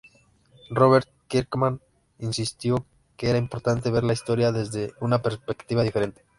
Robert Kirkman insistió que era importante ver la historia desde una perspectiva diferente.